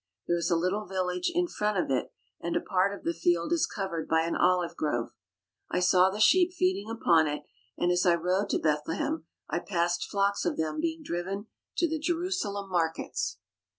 There is a little village in front of it, and a part of the field is covered by an olive grove. I saw the sheep feeding upon it, and as I rode to Bethlehem I passed flocks of them being driven to the Jerusalem markets.